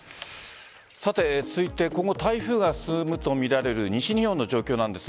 続いて、今後台風が進むとみられる西日本の状況です。